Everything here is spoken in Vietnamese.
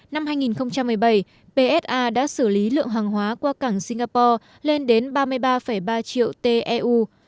năm hai nghìn một mươi bảy psa đã xử lý lượng hàng hóa qua cảng singapore lên đến ba mươi ba ba triệu teu